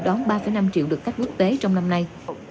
đón ba năm triệu được cắt quốc tế trong năm nay